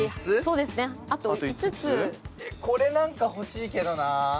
これなんか欲しいけどな。